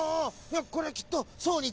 これきっとそうにちがいない！